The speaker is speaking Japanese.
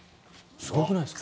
すごくないですか？